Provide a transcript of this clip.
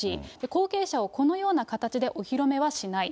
後継者をこのような形でお披露目はしない。